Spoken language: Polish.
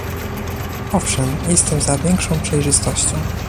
Owszem, jestem za większą przejrzystością